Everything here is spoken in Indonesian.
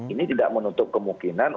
ini tidak menutup kemungkinan